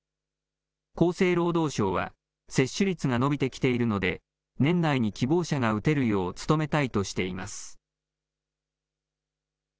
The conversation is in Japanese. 厚生労働省は、接種率が伸びてきているので、年内に希望者が打てるよう努めたいとしています。